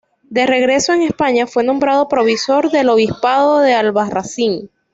De regreso en España fue nombrado provisor del obispado de Albarracín.